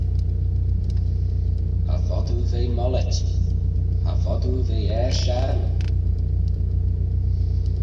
Cha vod oo ve mollit, cha vod oo ve er shaghryn.